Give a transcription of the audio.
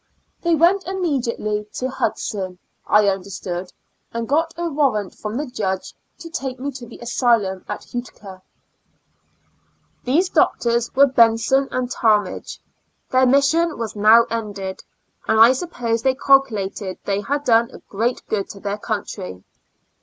They went immediately to Hudson, I understood, and got a warrant from the judge to take me to the asylum at Utica. These doctors were Benson and Talmaffe: their mission was now ended, and I sup pose they calculated they had done a great good to their country.